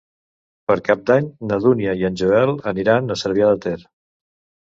Per Cap d'Any na Dúnia i en Joel aniran a Cervià de Ter.